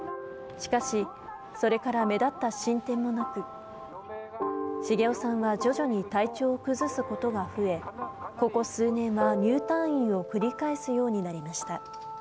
しかし、それから目立った進展もなく、繁雄さんは徐々に体調を崩すことが増え、ここ数年は入退院を繰り返すようになりました。